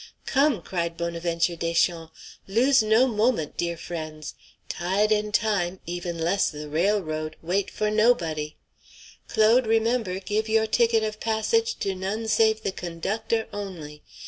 "Come!" cried Bonaventure Deschamps; "lose no moment, dear friends. Tide and time even less the railroad wait for nobody. Claude, remember; give your ticket of passage to none save the conductor only.